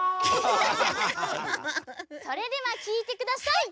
それではきいてください！